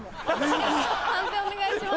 判定お願いします。